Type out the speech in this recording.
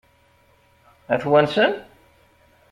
Ad t-wansen?